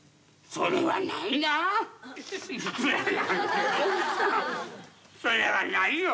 それはないよ。